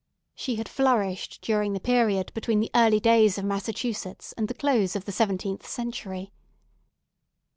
She had flourished during the period between the early days of Massachusetts and the close of the seventeenth century.